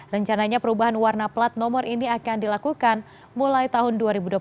rencananya perubahan warna plat nomor ini akan dilakukan mulai tahun dua ribu dua puluh satu